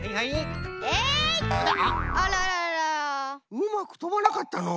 うまくとばなかったのう。